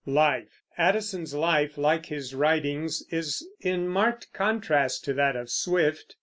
LIFE. Addison's life, like his writings, is in marked contrast to that of Swift.